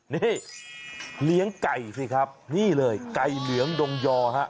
นี่เลี้ยงไก่สิครับนี่เลยไก่เหลืองดงยอฮะ